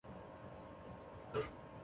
累积分数最高的选手将得到金牌。